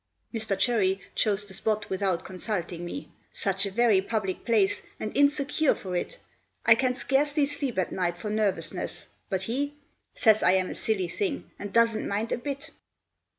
"Mr. Chirry chose the spot, without consulting me; Such a very public place, and insecure for it, I can scarcely sleep at night for nervousness; but he Says I am a silly thing and doesn't mind a bit."